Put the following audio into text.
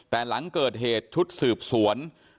แต่หลังเกิดเกิดเหตุทุกธ์สืบสวน